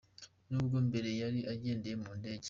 Ni ubwa mbere yari agendeye mu ndege.